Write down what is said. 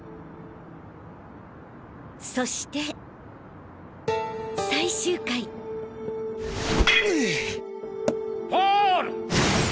そして最終回ファール！